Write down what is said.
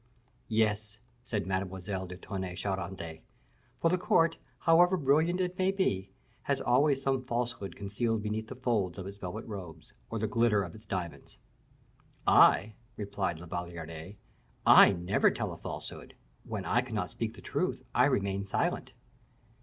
"Yes," said Mademoiselle de Tonnay Charente; "for the court, however brilliant it may be, has always some falsehood concealed beneath the folds of its velvet robes, or the glitter of its diamonds." "I," replied La Valliere, "I never tell a falsehood; when I cannot speak the truth, I remain silent."